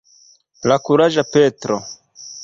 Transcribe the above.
La kuraĝa Petro.